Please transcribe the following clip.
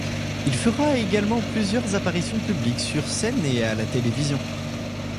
Il fera également plusieurs apparitions publiques sur scène et à la télévision.